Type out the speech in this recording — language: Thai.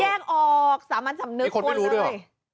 มันแยกออกสามัญสำเนิดตัวเลย